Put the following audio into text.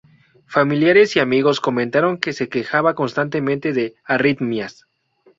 Familiares y amigos comentaron que se quejaba constantemente de arritmias.